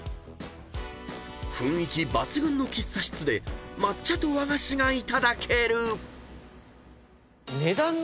［雰囲気抜群の喫茶室で抹茶と和菓子がいただける］